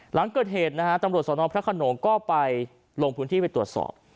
หลังเกิดเหตุตำรวจสอนรพพระขนมก็ไปลงที่ไปตรวจสอบ